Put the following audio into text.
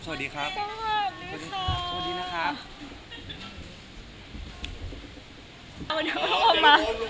สวัสดีผู้ชม